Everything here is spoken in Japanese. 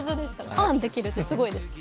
ターンできるってすごいですね。